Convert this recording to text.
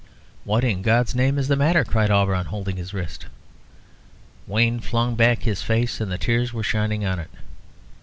"What in God's name is the matter?" cried Auberon, holding his wrist. Wayne flung back his face, and the tears were shining on it.